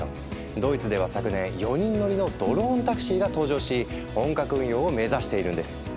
ドイツでは昨年４人乗りのドローンタクシーが登場し本格運用を目指しているんです。